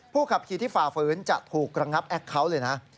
ขับขี่ที่ฝ่าฝืนจะถูกระงับแอคเคาน์เลยนะ